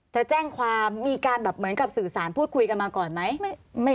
จะแจ้งความมีการแบบเหมือนกับสื่อสารพูดคุยกันมาก่อนไหม